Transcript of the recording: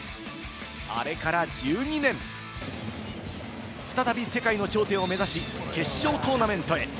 あれから１２年、再び世界の頂点を目指し、決勝トーナメントへ。